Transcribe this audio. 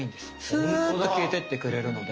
スーッと消えてってくれるので。